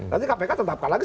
nanti kpk tetapkan lagi